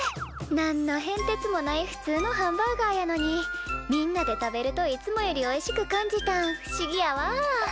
何の変てつもないふつうのハンバーガーやのにみんなで食べるといつもよりおいしく感じたん不思議やわ。